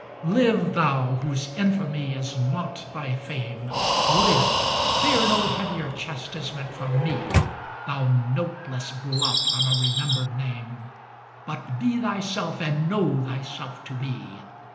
XXXVII Live thou, whose infamy is not thy fame ! Live ! fear no heavier chastisement from me. Thou noteless blot on a remembered name ! But be thyself, and know thyself to be!